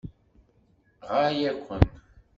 Ɣaya-ken.